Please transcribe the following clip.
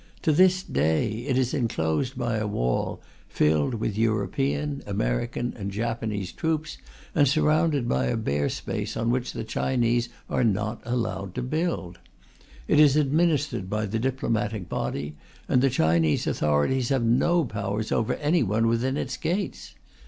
To this day, it is enclosed by a wall, filled with European, American, and Japanese troops, and surrounded by a bare space on which the Chinese are not allowed to build. It is administered by the diplomatic body, and the Chinese authorities have no powers over anyone within its gates.